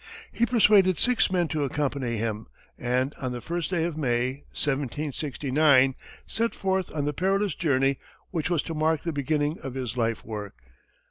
He persuaded six men to accompany him, and on the first day of May, 1769, set forth on the perilous journey which was to mark the beginning of his life work.